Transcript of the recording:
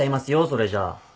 それじゃ。